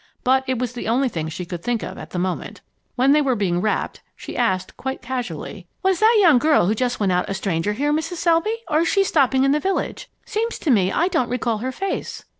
But it was the only thing she could think of at the moment. When they were being wrapped, she asked quite casually: "Was that young girl who just went out a stranger here, Mrs. Selby, or is she stopping in the village? Seems to me I don't recall her face."